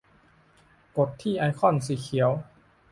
กดที่ไอคอนสีเขียว